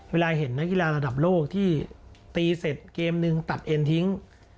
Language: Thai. เวลาเห็นนักกีฬาระดับโลกที่ตีเสร็จเกมนึงตัดเอ็นทิ้ง